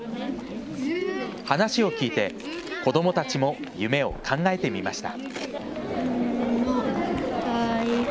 話を聞いて、子どもたちも夢を考えてみました。